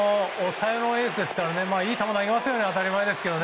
抑えのエースですからいい球を投げますよね。